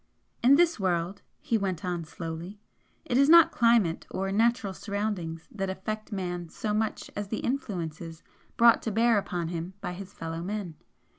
"In this world," he went on, slowly "it is not climate, or natural surroundings that affect man so much as the influences brought to bear upon him by his fellow men.